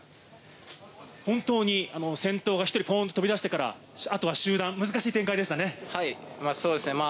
本当に先頭が１人ポンっと飛び出してから、あとは集団、難しい展開でしたね。